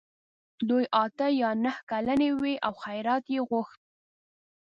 دوی اته یا نهه کلنې وې او خیرات یې غوښت.